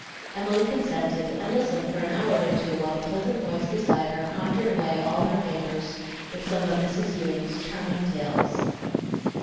Emily consented, and listened for an hour or two while the pleasant voice beside her conjured away all her vapors with some of Mrs. Ewing's charming tales.